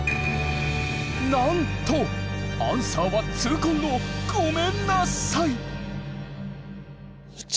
なんとアンサーは痛恨の「ごめんなさい」。